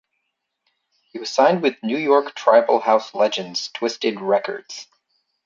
He was signed with New York tribal house legends Twisted Records.